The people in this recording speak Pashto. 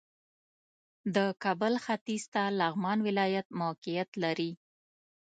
د کابل ختیځ ته لغمان ولایت موقعیت لري